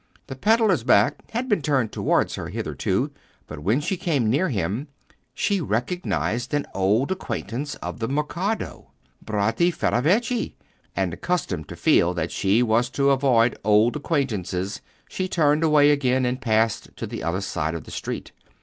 The pedlar's back had been turned towards her hitherto, but when she came near him she recognised an old acquaintance of the Mercato, Bratti Ferravecchi, and, accustomed to feel that she was to avoid old acquaintances, she turned away again and passed to the other side of the street.